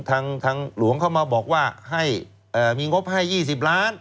ทางหลวงเข้ามาบอกว่าให้มีงบให้๒๐ล้าน